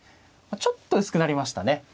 ちょっと薄くなりましたね。